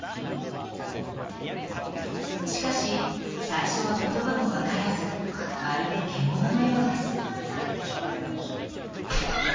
しかし最初は言葉も分からずまるで獣のようです。わあっ！